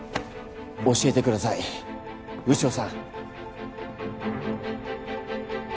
教えてください牛尾さん。